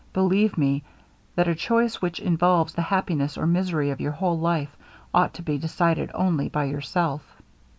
Believe me, that a choice which involves the happiness or misery of your whole life, ought to be decided only by yourself.'